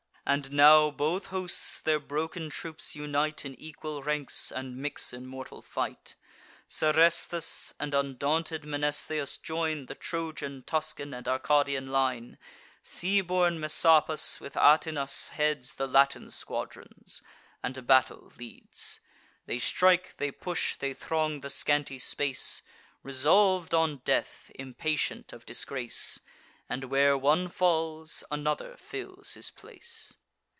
And now both hosts their broken troops unite In equal ranks, and mix in mortal fight. Seresthus and undaunted Mnestheus join The Trojan, Tuscan, and Arcadian line: Sea born Messapus, with Atinas, heads The Latin squadrons, and to battle leads. They strike, they push, they throng the scanty space, Resolv'd on death, impatient of disgrace; And, where one falls, another fills his place.